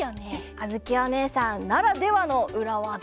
あづきおねえさんならではのうらわざ。